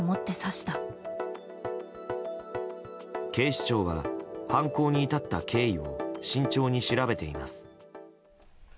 警視庁は、犯行に至った経緯を慎重に調べています。